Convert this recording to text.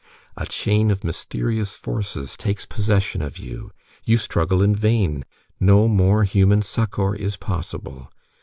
A chain of mysterious forces takes possession of you. You struggle in vain; no more human succor is possible.